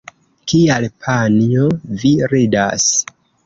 Kial panjo, vi ridas?